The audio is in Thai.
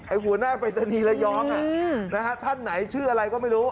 หัวหน้าปริศนีย์ระยองท่านไหนชื่ออะไรก็ไม่รู้